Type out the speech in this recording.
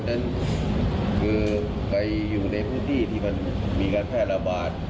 ได้อยู่ในพื้นที่ที่มันมีการแฮ็ดระบาด